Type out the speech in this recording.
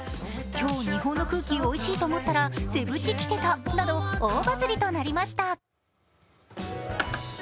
今日、日本の空気おいしいと思ったらセブチ来てたなど大バズりとなりました。